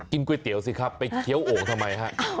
ก๋วยเตี๋ยวสิครับไปเคี้ยวโอ่งทำไมฮะ